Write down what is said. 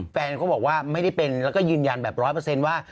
แฟนก็บอกว่าไม่ได้เป็นแล้วก็ยืนยันแบบร้อยเปอร์เซ็นต์ว่า